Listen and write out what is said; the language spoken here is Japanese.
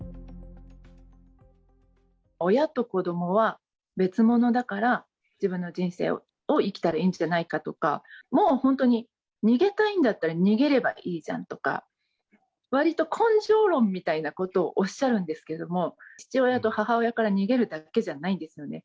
親と子どもは別物だから、自分の人生を生きたらいいんじゃないかとか、もう本当に、逃げたいんだったら逃げればいいじゃんとか、わりと根性論みたいなことをおっしゃるんですけども、父親と母親から逃げるだけじゃないんですよね。